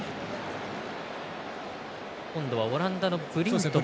今度はオランダのブリント。